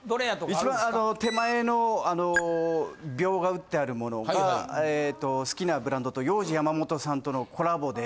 一番あの手前の鋲が打ってあるものが好きなブランドとヨウジヤマモトさんとのコラボで。